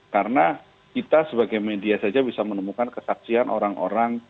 karena kita sebagai media saja bisa menemukan kesaksian orang orang